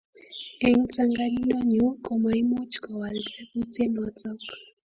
eng tanganyindo nyu ko maimuch kowal tebutiet notok